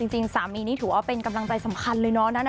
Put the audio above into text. จริงสามีนี่ถือว่าเป็นกำลังใจสำคัญเลยเนาะ